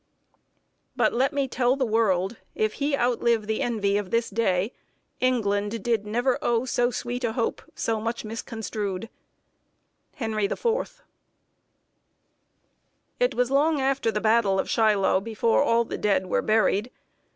But let me tell the world, If he outlive the envy of this day, England did never owe so sweet a hope So much misconstrued. HENRY IV. It was long after the battle of Shiloh before all the dead were buried.